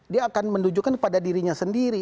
dia akan menunjukkan kepada dirinya sendiri